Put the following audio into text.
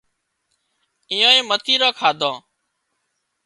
ايئانئي متيران ڪاڌان